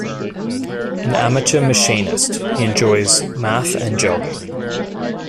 An amateur machinist, he enjoys math and jogging.